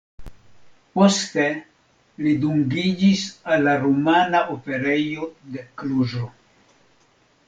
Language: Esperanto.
Poste li dungiĝis al la Rumana Operejo de Kluĵo.